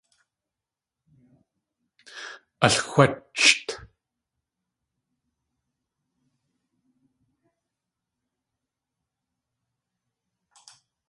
Alxwácht.